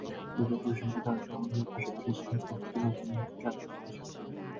নিজের প্রতিষ্ঠানকে দাঁড় করানোর পাশাপাশি তাঁদের প্রতিষ্ঠানে এখন অনেককে চাকরিও দিয়েছেন।